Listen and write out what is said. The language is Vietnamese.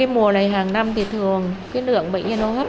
mùa này hàng năm thì thường nưỡng bệnh nhân hôn hấp